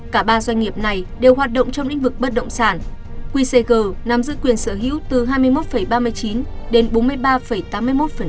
cả ba doanh nghiệp này đều hoạt động trong lĩnh vực bất động sản